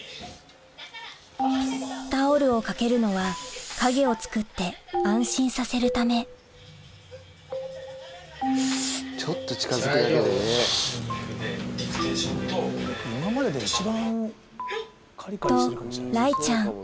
タオルをかけるのは影をつくって安心させるためと雷ちゃん